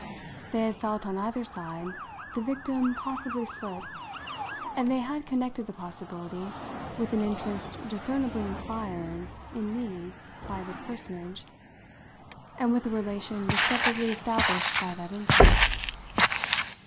They had felt, on either side, the victim possibly slip, and they had connected the possibility with an interest discernibly inspired in me by this personage, and with a relation discoverably established by that interest.